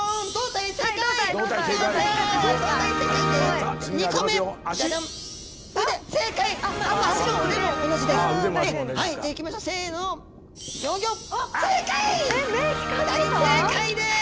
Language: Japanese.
大正解です！